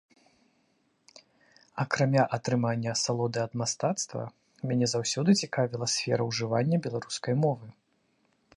Акрамя атрымання асалоды ад мастацтва, мяне заўсёды цікавіла сфера ўжывання беларускай мовы.